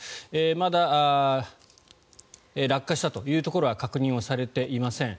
まだ落下したというところは確認されていません。